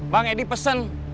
bang edi pesen